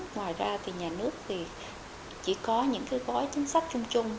ngoài ra thì nhà nước thì chỉ có những cái gói chính sách chung chung